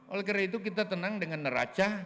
oleh karena itu kita tenang dengan neraca